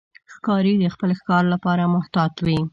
ښکاري د خپل ښکار لپاره محتاط وي.